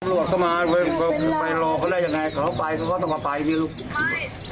รักฐานก็ไม่อยู่ด้วยแหละชักแล้วปล่อยให้พ่อคุณดูดูดูสิ